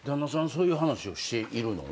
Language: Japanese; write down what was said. そういう話をしてるの？